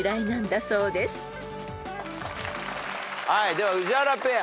では宇治原ペア。